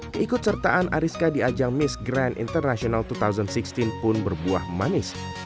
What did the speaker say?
keikut sertaan ariska di ajang miss grand international dua ribu enam belas pun berbuah manis